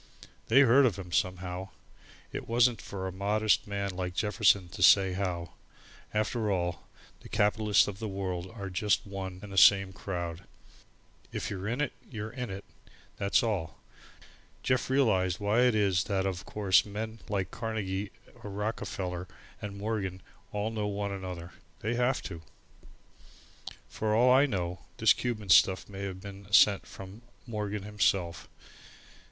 They heard of him, somehow, it wasn't for a modest man like Jefferson to say how. After all, the capitalists of the world are just one and the same crowd. If you're in it, you're in it, that's all! Jeff realized why it is that of course men like Carnegie or Rockefeller and Morgan all know one another. They have to. For all I know, this Cuban stuff may have been sent from Morgan himself.